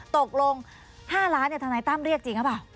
ตกลง๕ล้านทนายตั้มเรียกจริงหรือเปล่า